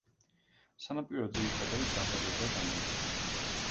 სანაპირო ძირითადად დაბალი და დამრეცია.